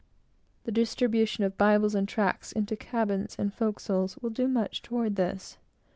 The distribution of Bibles and tracts into cabins and forecastles, will do much toward this.